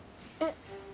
えっ？